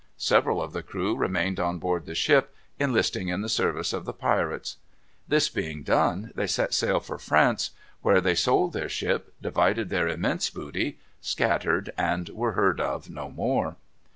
Several of the crew remained on board the ship, enlisting in the service of the pirates. This being done, they set sail for France, where they sold their ship, divided their immense booty, scattered, and were heard of no more.